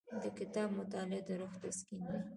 د کتاب مطالعه د روح تسکین دی.